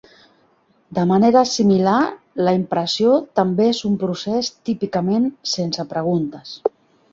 De manera similar, la impressió també és un procés típicament "sense preguntes".